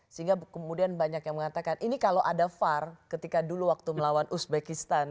sehingga kemudian banyak yang mengatakan ini kalau ada var ketika dulu waktu melawan uzbekistan